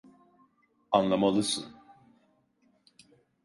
Anlamalısın.